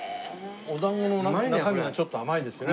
お団子の中身がちょっと甘いですよね。